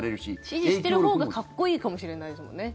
支持してるほうがかっこいいかもしれないですよね